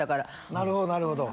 なるほどなるほど。